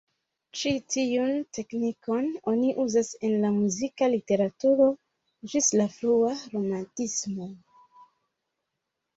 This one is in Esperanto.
Ĉi tiun teknikon oni uzas en la muzika literaturo ĝis la frua romantismo.